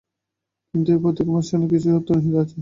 কিন্তু এই প্রতীকোপাসনায় কিছু সত্য নিহিত আছে।